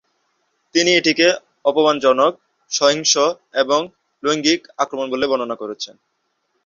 তিনি এটিকে "অপমানজনক, সহিংস এবং লৈঙ্গিক" আক্রমণ বলে বর্ণনা করেছেন।